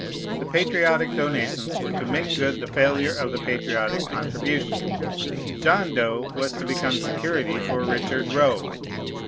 The patriotic donations were to make good the failure of the patriotic contribution. John Doe was to become security for Richard Roe.